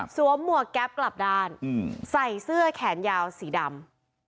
หมวกแก๊ปกลับด้านใส่เสื้อแขนยาวสีดำ